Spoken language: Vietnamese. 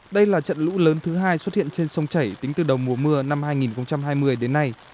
đây là trận lũ lớn thứ hai xuất hiện trên sông chảy tính từ đầu mùa mưa năm hai nghìn hai mươi đến nay